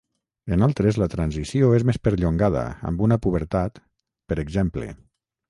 En altres la transició és més perllongada amb una pubertat, per exemple.